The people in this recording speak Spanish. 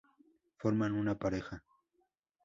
Forman una pareja.